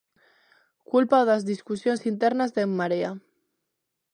Cúlpao das discusións internas de En Marea.